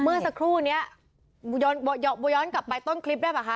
เมื่อสักครู่นี้ย้อนกลับไปต้นคลิปได้ป่ะค